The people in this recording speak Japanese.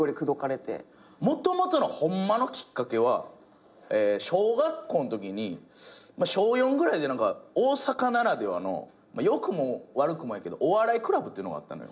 もともとのホンマのきっかけは小学校んときに小４ぐらいで大阪ならではの良くも悪くもやけどお笑いクラブっていうのがあったのよ。